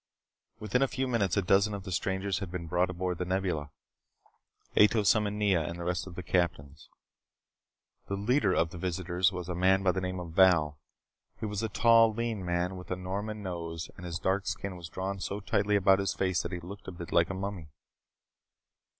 Within a few minutes, a dozen of the strangers had been brought aboard The Nebula. Ato summoned Nea and the rest of the captains. The leader of the visitors was a man by the name of Val. He was a tall, lean man with a Norman nose and his dark skin was drawn so tightly about his face that he looked a bit like a mummy.